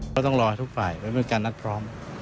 ก็ต้องรอทุกฝ่ายไว้เป็นการนัดพร้อม